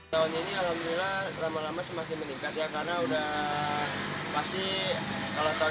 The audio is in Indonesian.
tahun ini alhamdulillah lama lama semakin meningkat ya karena udah pasti kalau tahun